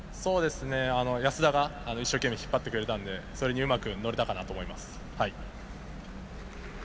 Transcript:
安田が一生懸命引っ張ってくれたのでそれにうまく乗れたかなと思います。